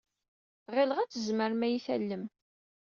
Ɣileɣ ad tzemrem ad iyi-tallem.